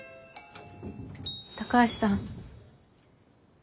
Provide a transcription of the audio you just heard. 高橋さん。